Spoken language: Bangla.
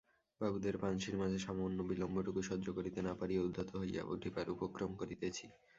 বাবুদের পান্সির মাঝি সামান্য বিলম্বটুকু সহ্য করিতে না পারিয়া উদ্ধত হইয়া উঠিবার উপক্রম করিতেছি।